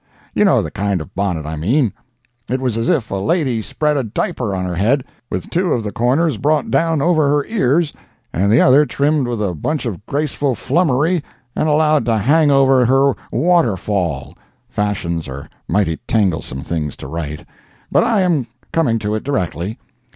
You know the kind of bonnet I mean; it was as if a lady spread a diaper on her head, with two of the corners brought down over her ears, and the other trimmed with a bunch of graceful flummery and allowed to hang over her waterfall—fashions are mighty tanglesome things to write—but I am coming to it directly.